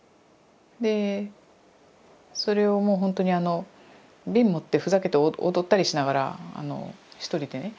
でそれをもうほんとに瓶持ってふざけて踊ったりしながら一人でね。